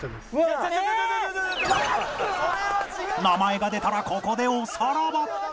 ［名前が出たらここでおさらば］